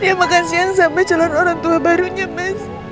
dia makan siang sampai jalan orang tua barunya mas